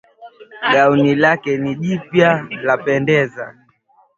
Gauni lake ni jipya lapendeza.